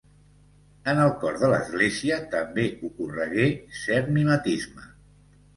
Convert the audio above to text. En el cor de l'Església també ocorregué cert mimetisme.